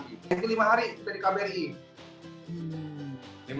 jadi lima hari kita di kbri